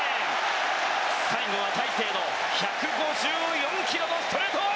最後は大勢の１５４キロのストレート！